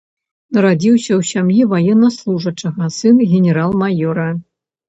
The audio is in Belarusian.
Нарадзіўся ў сям'і ваеннаслужачага, сын генерал-маёра.